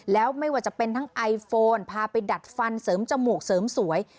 แล้วไม่ว่าจะเป็นทั้งไอโฟนพาไปดัดฟันเสริมจมูกเสริมสวย